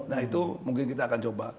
nah itu mungkin kita akan coba